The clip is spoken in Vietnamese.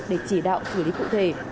để chỉ đạo xử lý cụ thể